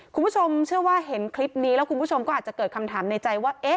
คุณผู้ชมเชื่อว่าเห็นคลิปนี้แล้วคุณผู้ชมก็อาจจะเกิดคำถามในใจว่า